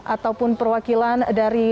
ataupun perwakilan dari